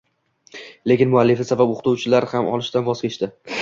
lekin muallifi sabab o‘quvchilar uni olishdan voz kechadi.